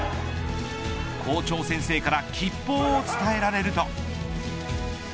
校長先生から吉報を伝えられると。